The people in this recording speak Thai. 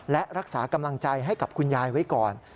และรักษากำลังใจให้กับคุณยายไว้ก่อน